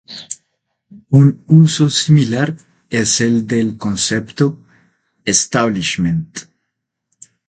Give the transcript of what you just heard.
Un uso similar es el del concepto "establishment".